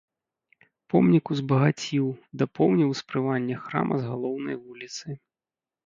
Помнік узбагаціў, дапоўніў успрыманне храма з галоўнай вуліцы.